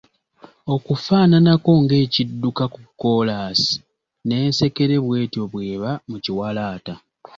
Okufaananako ng’ekidduka ku kolaasi, n’ensekere bw’etyo bw’eba mu kiwalaata.